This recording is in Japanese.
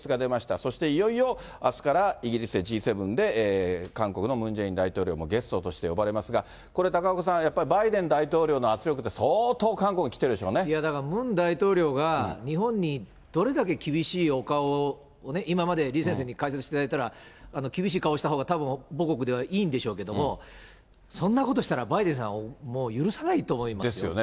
そしていよいよあすからイギリスでＧ７で韓国のムン・ジェイン大統領もゲストとして呼ばれますが、これ高岡さん、バイデン大統領の圧力って、いやだから、ムン大統領が日本にどれだけ厳しいお顔を、今まで李先生に解説していただいたら、厳しい顔をしたほうがたぶん、母国ではいいんでしょうけれども、そんなことしたら、バイデですよね。